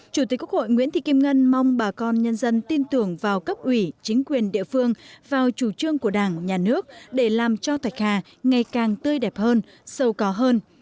chủ tịch quốc hội nguyễn thị kim ngân mong bà con nhân dân tin tưởng vào cấp ủy chính quyền địa phương vào chủ trương của đảng nhà nước để làm cho thạch hà ngày càng tươi đẹp hơn sâu có hơn